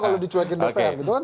kalau dicuekin dpr gitu kan